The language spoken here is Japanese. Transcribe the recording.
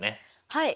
はい。